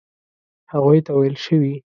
هغوی ته ویل شوي.